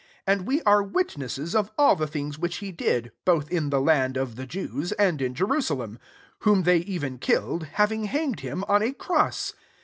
39 And we are witnesses of all the things which he did, both in the land of the Jews, and in Jerusalem ; whom they even killed, having hanged kim on a cross.